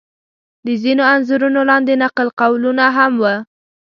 د ځینو انځورونو لاندې نقل قولونه هم و.